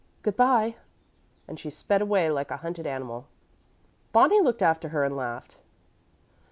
Good by"; and she sped away like a hunted animal. Bonnie looked after her and laughed.